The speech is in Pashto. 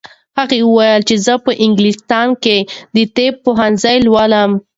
هغې وویل چې زه په انګلستان کې د طب پوهنځی لولم.